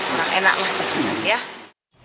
orang enak lah